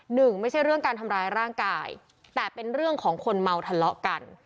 หนึ่งไม่ใช่เรื่องการทำร้ายร่างกายแต่เป็นเรื่องของคนเมาทะเลาะกัน